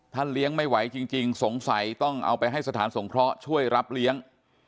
เลี้ยงไม่ไหวจริงสงสัยต้องเอาไปให้สถานสงเคราะห์ช่วยรับเลี้ยง